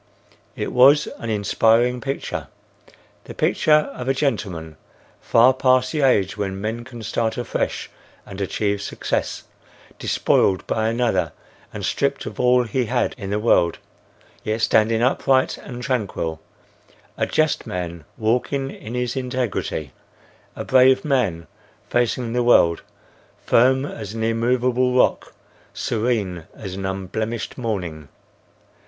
It was an inspiring picture: the picture of a gentleman, far past the age when men can start afresh and achieve success, despoiled by another and stripped of all he had in the world, yet standing upright and tranquil; a just man walking in his integrity; a brave man facing the world; firm as an immovable rock; serene as an unblemished morning.